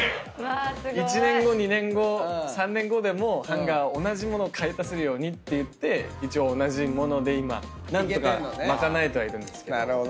１年後２年後３年後でもハンガー同じ物買い足せるようにっていって一応同じ物で今何とか賄えてはいるんですけど。